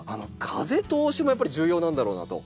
風通しもやっぱり重要なんだろうなと。